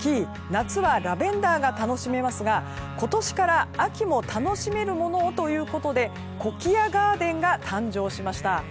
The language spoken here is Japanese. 夏はラベンダーが楽しめますが今年から秋も楽しめるものをということでコキアガーデンが誕生しました。